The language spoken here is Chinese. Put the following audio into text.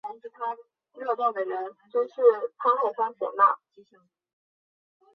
大洋洲壳腺溞为仙达溞科壳腺溞属的动物。